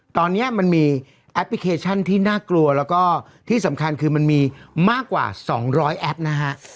ตอนนี้มันมีแอปพลิเคชันที่น่ากลัวแล้วก็ที่สำคัญคือมันมีมากกว่า๒๐๐แอปนะฮะ